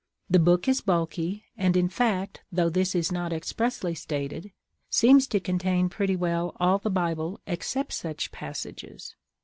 The book is bulky; and, in fact, though this is not expressly stated, seems to contain pretty well all the Bible except such passages.